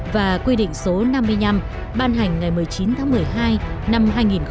và quy định số năm mươi năm ban hành ngày một mươi chín tháng một mươi hai năm hai nghìn một mươi